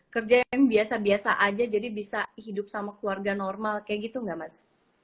kerja yang biasa biasa aja jadi bisa hidup sama keluarga normal kayak gitu nggak mas